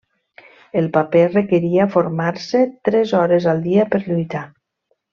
El paper requeria formar-se tres hores al dia per lluitar.